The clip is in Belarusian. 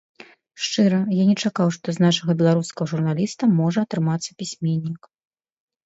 Шчыра, я не чакаў, што з нашага беларускага журналіста можа атрымацца пісьменнік.